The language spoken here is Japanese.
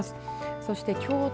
そして京都